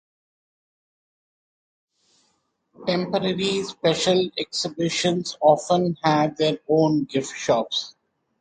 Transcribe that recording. Temporary special exhibitions often have their own gift shops.